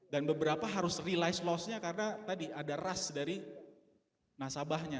dan beberapa harus realize lossnya karena tadi ada rush dari nasabahnya